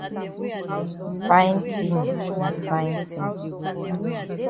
Fine tin na fine tin.